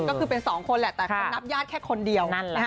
ก็คือเป็น๒คนแหละแต่เขานับญาติแค่คนเดียว